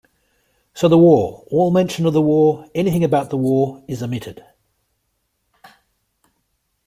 So the war, all mention of the war, anything about the war, is omitted.